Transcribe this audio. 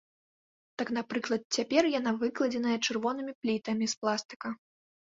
Так, напрыклад, цяпер яна выкладзеная чырвонымі плітамі з пластыка.